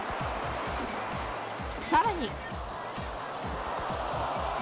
さらに。